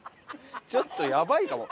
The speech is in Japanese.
ちょっとやばいかも。